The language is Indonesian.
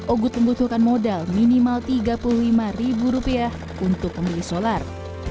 ogut membutuhkan modal minimal tiga puluh lima ribu rupiah untuk membeli solar